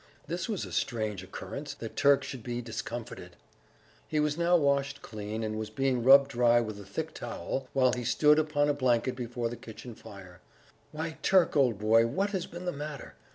This was a strange occurrence, that Turk should be discomfited! He was now washed clean, and was being rubbed dry with a thick towel while he stood upon a blanket before the kitchen fire.... "Why, Turk, old boy, what has been the matter?